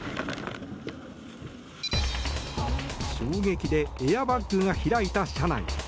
衝撃でエアバッグが開いた車内。